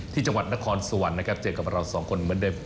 ที่จังหวัดนครสวรรค์นะครับเจอกับเราสองคนเหมือนเดิม